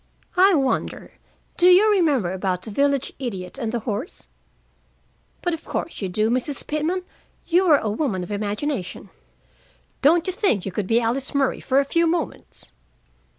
"I wonder do you remember about the village idiot and the horse? But of course you do, Mrs. Pitman; you are a woman of imagination. Don't you think you could be Alice Murray for a few moments?